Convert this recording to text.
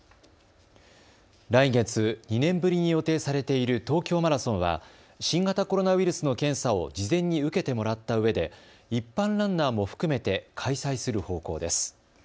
来月２年ぶりに予定されている東京マラソンは新型コロナウイルスの検査を事前にうけてもらったうえで一般ランナーも含めて開催する方向です。